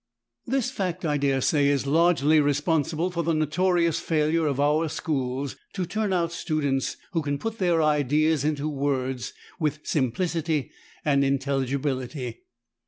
This fact, I daresay, is largely responsible for the notorious failure of our schools to turn out students who can put their ideas into words with simplicity and intelligibility.